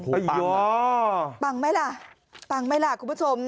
โอ้โฮปังปังไหมล่ะปังไหมล่ะคุณผู้ชม